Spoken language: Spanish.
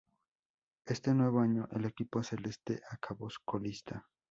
Este nuevo año el equipo celeste acabó colista.